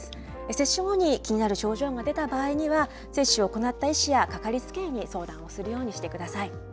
接種後に気になる症状が出た場合には、接種を行った医師やかかりつけ医に相談をするようにしてください。